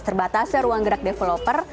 terbatas dari ruang gerak developer